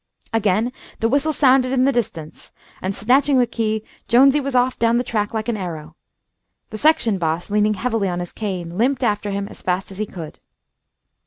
Again the whistle sounded in the distance, and, snatching the key, Jonesy was off down the track like an arrow. The section boss, leaning heavily on his cane, limped after him as fast as he could.